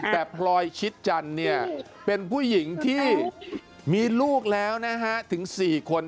แต่พลอยชิดจันทร์เป็นผู้หญิงที่มีลูกแล้วนะฮะถึง๔คน